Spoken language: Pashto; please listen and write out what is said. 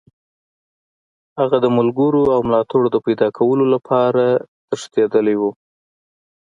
هغه د ملګرو او ملاتړو د پیداکولو لپاره تښتېدلی وو.